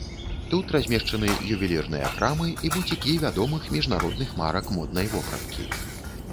Тут размешчаны ювелірныя крамы і буцікі вядомых міжнародных марак моднай вопраткі.